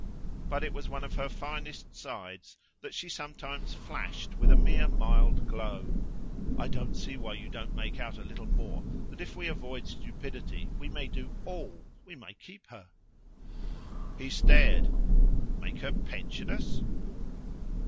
But it was one of her finest sides that she sometimes flashed with a mere mild glow. "I don't see why you don't make out a little more that if we avoid stupidity we may do ALL. We may keep her." He stared. "Make her pension us?"